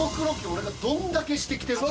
俺がどんだけしてきてるか。